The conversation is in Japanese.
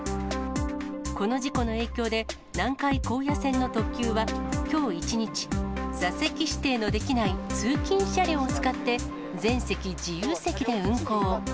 この事故の影響で、南海高野線の特急はきょう一日、座席指定のできない通勤車両を使って全席自由席で運行。